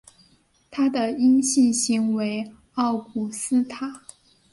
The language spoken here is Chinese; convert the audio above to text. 它的阴性型为奥古斯塔。